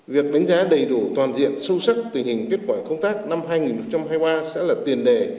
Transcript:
việc đánh giá đầy đủ toàn diện sâu sắc tình hình kết quả công tác năm hai nghìn hai mươi ba sẽ là tiền đề